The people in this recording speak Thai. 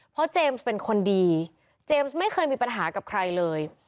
เพราะเจมส์เป็นคนดีเจมส์ไม่เคยมีปัญหากับใครเลย